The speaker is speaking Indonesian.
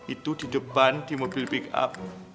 itu di depan di mobil pickup